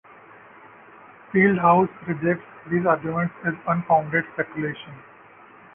Fieldhouse rejects these arguments as unfounded speculation.